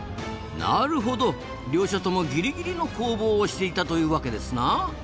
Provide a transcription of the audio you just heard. なるほど！両者ともギリギリの攻防をしていたというわけですな。